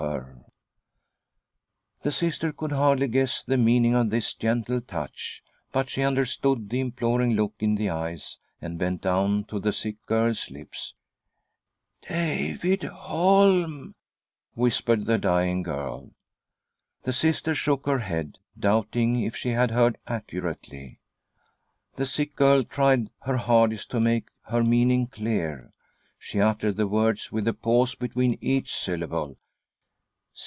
■& THE STORM WITHIN. THE SOUL 15 The Sister could hardly guess the meaning of this gentle touch, but she understood the imploring look in the eyes, and bent down to the sick girl's lips. " David Holm I " whispered the dying girl. The Sister shook, her head, doubting if she had heard accurately. The sick girl tried her hardest to make her mean ing clear. She uttered the words with a pause between each syllable.